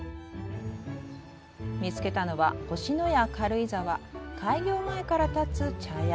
見つけたのは、星のや軽井沢開業前から建つ茶屋。